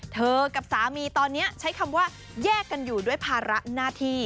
กับสามีตอนนี้ใช้คำว่าแยกกันอยู่ด้วยภาระหน้าที่